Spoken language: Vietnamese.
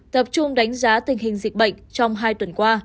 tập trung đánh giá tình hình dịch bệnh trong hai tuần qua